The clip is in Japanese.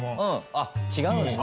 あっ違うんですね。